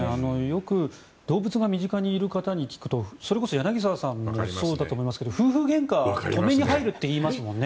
よく動物が身近にいる方に聞くとそれこそ柳澤さんもそうだと思いますけど夫婦げんかを止めに入るっていいますもんね。